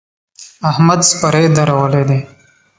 احمد څپری درولی دی.